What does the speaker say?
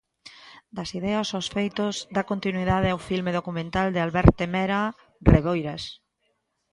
Das ideas aos feitos dá continuidade ao filme documental de Alberte Mera, Reboiras.